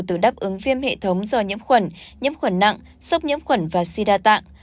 từ đáp ứng viêm hệ thống do nhiễm khuẩn nhiễm khuẩn nặng sốc nhiễm khuẩn và si đa tạng